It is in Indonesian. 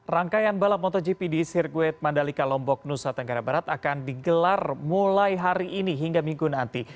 rangkaian balap motogp di sirkuit mandalika lombok nusa tenggara barat akan digelar mulai hari ini hingga minggu nanti